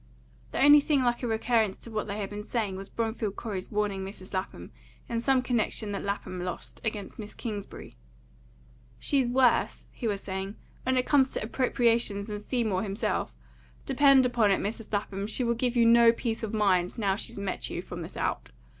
The only thing like a recurrence to what they had been saying was Bromfield Corey's warning Mrs. Lapham, in some connection that Lapham lost, against Miss Kingsbury. "She's worse," he was saying, "when it comes to appropriations than Seymour himself. Depend upon it, Mrs. Lapham, she will give you no peace of your mind, now she's met you, from this out.